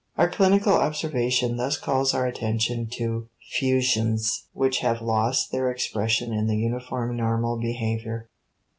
Our clinical observation thus calls our attention to fusions which have lost their expression in the uniform normal behavior.